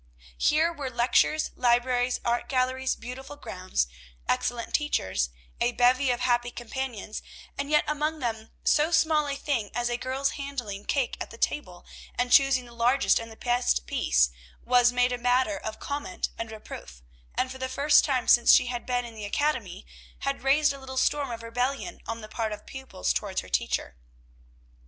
Here were lectures, libraries, art galleries, beautiful grounds, excellent teachers, a bevy of happy companions, and yet among them so small a thing as a girl's handling cake at the table, and choosing the largest and the best piece, was made a matter of comment and reproof, and, for the first time since she had been in the academy, had raised a little storm of rebellion on the part of pupils towards a teacher.